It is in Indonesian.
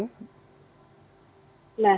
nah terima kasih